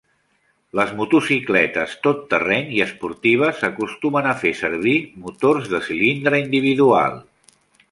Les motocicletes tot terreny i esportives acostumen a fer servir motors de cilindre individual.